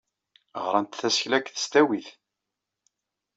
Ɣrant tasekla deg tesdawit.